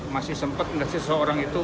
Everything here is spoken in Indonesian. masih sempat nggak sih seseorang itu